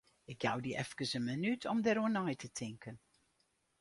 Ik jou dy efkes in minút om dêroer nei te tinken.